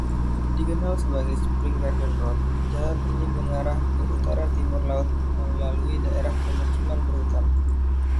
Dikenal sebagai Spring Garden Road, jalan ini mengarah ke utara-timur laut melalui daerah pemukiman berhutan.